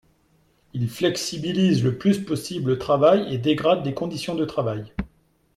Il flexibilise le plus possible le travail et dégrade les conditions de travail.